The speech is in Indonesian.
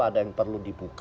ada yang perlu diperbaiki